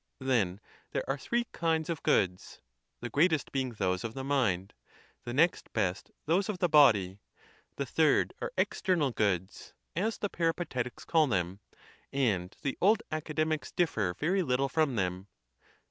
Then there are three kinds of goods: the greatest being those of the mind; the next best those of the body; the third are external goods, as the Peripatetics call them, and the Old Academics differ very little from them.